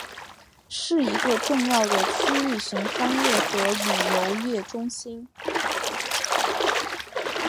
是一个重要的区域性商业和旅游业中心。